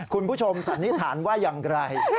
คุณผู้ชมสันนิษฐานว่ายางไร